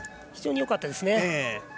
非常によかったです。